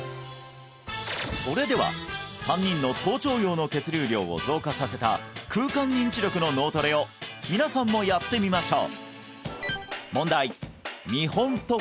それでは３人の頭頂葉の血流量を増加させた空間認知力の脳トレを皆さんもやってみましょう！